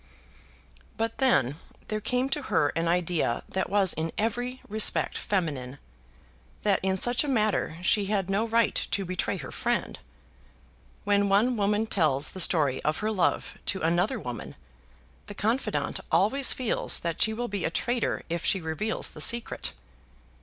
But then there came to her an idea that was in every respect feminine, that in such a matter she had no right to betray her friend. When one woman tells the story of her love to another woman, the confidant always feels that she will be a traitor if she reveals the secret.